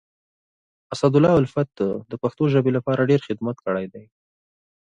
اسدالله الفت د پښتو ژبي لپاره ډير خدمت کړی دی.